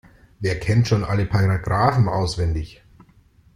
Wer kennt schon alle Paragraphen auswendig?